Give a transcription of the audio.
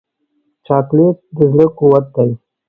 چاکلېټ د زړه قوت دی.